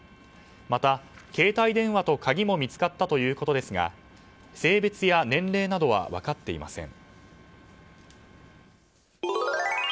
また、携帯電話と鍵も見つかったということですが性別や年齢などは分かっていません。